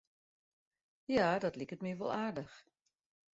Ja, dat liket my wol aardich.